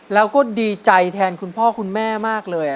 แล้วก็ดีใจแทนคุณพ่อคุณแม่มากเลย